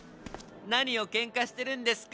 何をけんかしてるんですか？